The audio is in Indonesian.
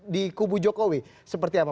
di kubu jokowi seperti apa